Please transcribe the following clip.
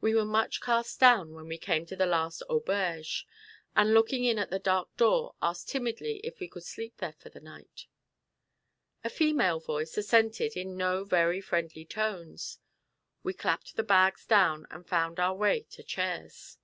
We were much cast down when we came to the last auberge; and looking in at the dark door, asked timidly if we could sleep there for the night. A female voice assented in no very friendly tones. We clapped the bags down and found our way to chairs.